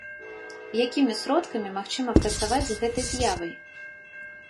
Якімі сродкамі магчыма працаваць з гэтай з'явай?